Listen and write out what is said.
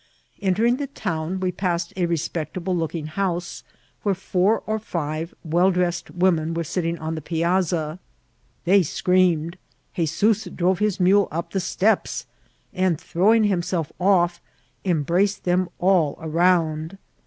Entering the town, we passed' a reqpectable looking house, where four or five weU dressed women were sitting on the piazsa. They screamed, 'Hezoos drove his mule vp the steps, and throwing himself off, embraced them all around.